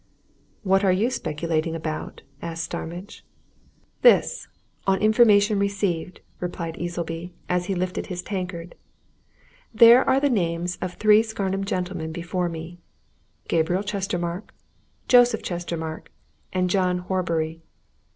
"What are you speculating about?" asked Starmidge. "This on information received," replied Easleby, as he lifted his tankard. "There are the names of three Scarnham gentlemen before me Gabriel Chestermarke, Joseph Chestermarke, John Horbury.